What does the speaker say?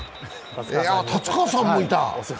達川さんもいた。